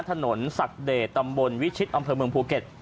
ศักดิ์เดชตำบลวิชิตอำเภอเมืองภูเก็ต